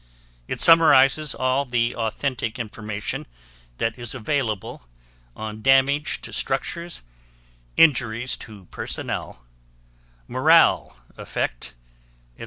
It summarizes all the authentic information that is available on damage to structures, injuries to personnel, morale effect, etc.